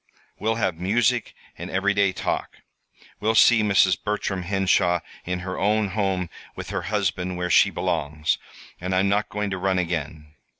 We'll have music and everyday talk. We'll see Mrs. Bertram Henshaw in her own home with her husband, where she belongs; and I'm not going to run again.